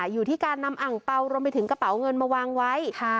อยู่ที่การนำอังเปล่ารวมไปถึงกระเป๋าเงินมาวางไว้